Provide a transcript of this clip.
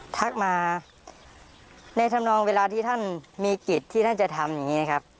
ทักมาในธรรมนองเวลาที่ท่านมีกิจที่ท่านจะทำอย่างนี้นะครับ